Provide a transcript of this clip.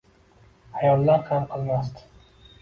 Ayollar ham qilmasdi.